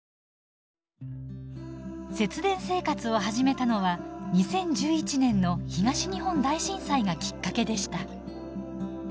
節電生活を始めたのは２０１１年の東日本大震災がきっかけでした。